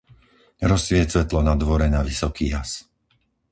Rozsvieť svetlo na dvore na vysoký jas.